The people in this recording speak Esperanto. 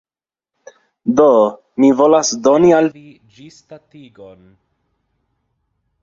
Do. Mi volas doni al vi ĝisdatigon